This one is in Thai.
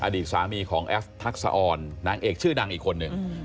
อดีตสามีของแอฟทักษะออนนางเอกชื่อดังอีกคนหนึ่ง